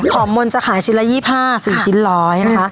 หอมมนต์จะขายชิ้นละ๒๕สิบชิ้นร้อย